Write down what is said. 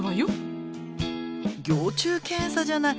蟯虫検査じゃない。